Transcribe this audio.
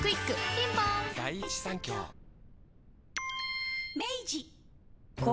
ピンポーン高